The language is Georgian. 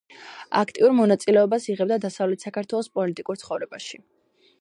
აქტიურ მონაწილეობას იღებდა დასავლეთ საქართველოს პოლიტიკურ ცხოვრებაში.